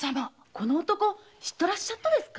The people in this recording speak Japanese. この男知っとらっしゃっとですか？